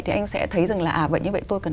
thì anh sẽ thấy rằng là à vậy như vậy tôi cần